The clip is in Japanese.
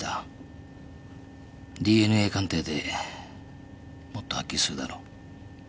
ＤＮＡ鑑定でもっとはっきりするだろう。